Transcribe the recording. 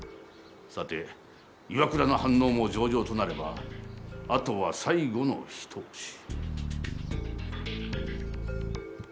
さて岩倉の反応も上々となればあとは最後の一押し。